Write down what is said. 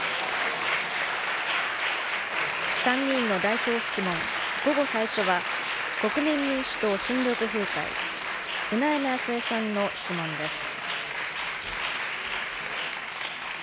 参議院の代表質問、午後最初は国民民主党・新緑風会、舟山康江さんの質問です。